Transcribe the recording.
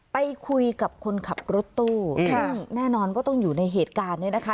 ไปคุยกับคนขับรถตู้ซึ่งแน่นอนว่าต้องอยู่ในเหตุการณ์เนี่ยนะคะ